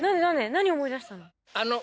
何思い出したの？